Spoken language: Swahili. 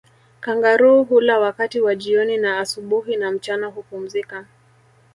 Kangaroo hula wakati wa jioni na asubuhi na mchana hupumzika